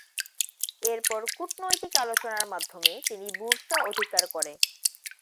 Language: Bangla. এরপর কূটনৈতিক আলোচনার মাধ্যমে তিনি বুরসা অধিকার করে।